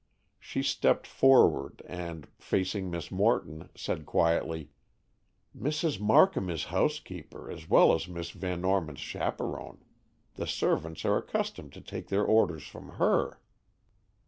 She stepped forward and, facing Miss Morton, said quietly, "Mrs. Markham is housekeeper, as well as Miss Van Norman's chaperon. The servants are accustomed to take their orders from her."